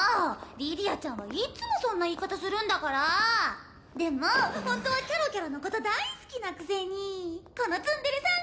リディアちゃんはいつもそんな言い方するんだからでもホントはキャロキャロのこと大好きなくせにこのツンデレさん！